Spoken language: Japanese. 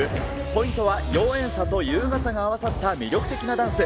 ポイントは妖艶さと優雅さが合わさった魅力的なダンス。